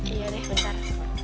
iya deh bentar